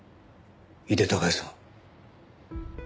井手孝也さん。